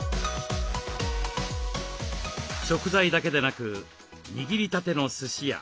食材だけでなく握りたてのすしや。